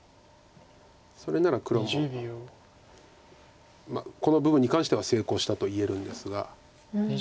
それなら黒もまあこの部分に関しては成功したと言えるんですが。